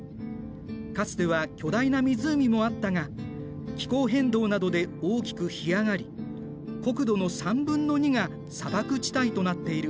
かつては巨大な湖もあったが気候変動などで大きく干上がり国土の３分の２が砂漠地帯となっている。